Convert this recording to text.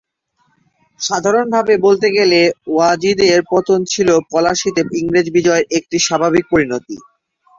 সাধারণভাবে বলতে গেলে ওয়াজিদের পতন ছিল পলাশীতে ইংরেজ বিজয়ের একটি স্বাভাবিক পরিণতি।